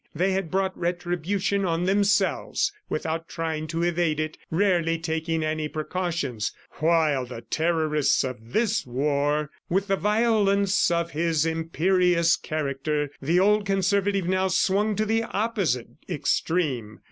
They had brought retribution on themselves without trying to evade it, rarely taking any precautions. While the terrorists of this war! ... With the violence of his imperious character, the old conservative now swung to the opposite extreme.